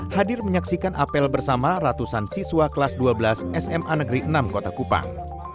hadir menyaksikan apel bersama ratusan siswa kelas dua belas sma negeri enam kota kupang